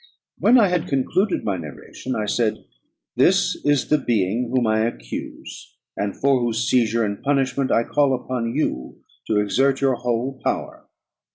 When I had concluded my narration, I said, "This is the being whom I accuse, and for whose seizure and punishment I call upon you to exert your whole power.